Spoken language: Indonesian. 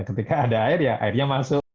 ketika ada air ya airnya masuk